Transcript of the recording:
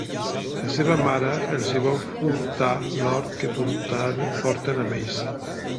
La seva mare els hi vol furtar l'or que porten amb ells.